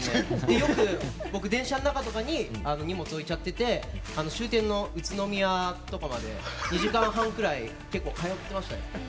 よく僕、電車の中とかに荷物を置いちゃって終点の宇都宮とかまで２時間半ぐらい結構、通っていましたよ。